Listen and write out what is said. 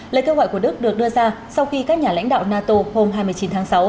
lời kêu gọi của đức được đưa ra sau khi các nhà lãnh đạo nato hôm hai mươi chín tháng sáu